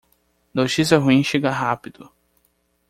Notícia ruim chega rápido.